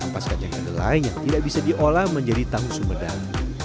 ampas kacang kedelai yang tidak bisa diolah menjadi tahu sumedang